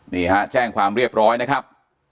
นี่ฮะแจ้งความเรียบร้อยนะครับ